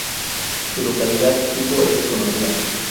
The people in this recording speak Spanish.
Su localidad tipo es desconocida.